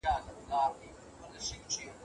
تاسي ولي دونه بې غرضه او بې فکره او غلي ناست سواست؟